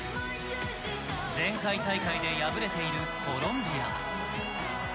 前回大会で敗れているコロンビア。